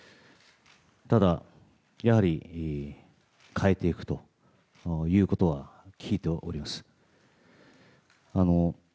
ただ、やはり変えていくということは聞いております。